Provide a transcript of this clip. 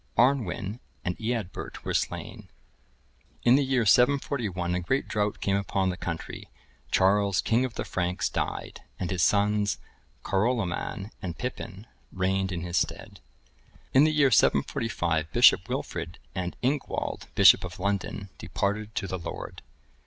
Arnwin(1068) and Eadbert(1069) were slain. In the year 741, a great drought came upon the country. Charles,(1070) king of the Franks, died; and his sons, Caroloman and Pippin,(1071) reigned in his stead. In the year 745, Bishop Wilfrid and Ingwald, Bishop of London, departed to the Lord.